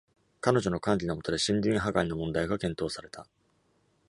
彼女の管理の下で、森林破壊の問題が検討された。